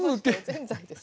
ぜんざいです。